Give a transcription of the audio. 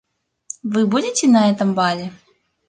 Вы будете на этом бале?